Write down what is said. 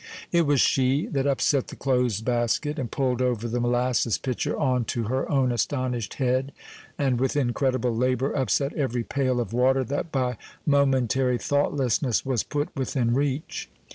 It was she that upset the clothes basket, and pulled over the molasses pitcher on to her own astonished head, and with incredible labor upset every pail of water that by momentary thoughtlessness was put within reach.